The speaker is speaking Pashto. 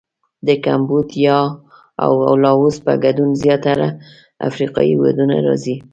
د کمبودیا او لاووس په ګډون زیاتره افریقایي هېوادونه راځي.